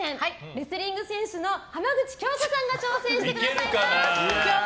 レスリング選手の浜口京子さんが挑戦してくださいます！